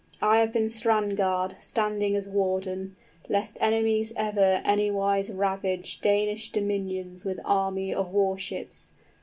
I have been strand guard, standing as warden, Lest enemies ever anywise ravage Danish dominions with army of war ships.